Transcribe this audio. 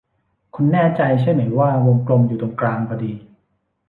คุณแน่ใจใช่ไหมว่าวงกลมอยู่ตรงกลางพอดี